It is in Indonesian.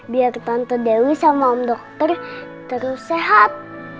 biar tante dewi sama om dokter terus sehat